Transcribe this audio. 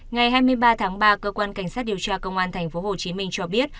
ngày hai mươi ba tháng ba cơ quan cảnh sát điều tra công an tp hcm cho biết